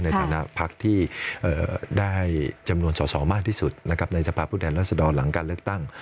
ในฐานะพักที่ได้จำนวนสอสอมากที่สุดนะครับในสภาพผู้แทนรัศดรหลังการเลือกตั้ง